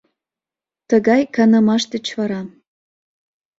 Тыгай канымаш деч вара